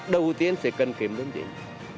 đầu tiên sẽ cần kiệm liêm chính